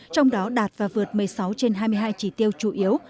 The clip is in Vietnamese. trong đó đạt và vượt một mươi sáu trên hai mươi hai chỉ tiêu chủ yếu